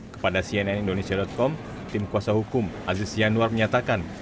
kepada cnn indonesia com tim kuasa hukum aziz yanuar menyatakan